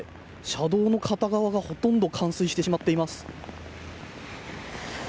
車道の片側がほとんど冠水してしまっています。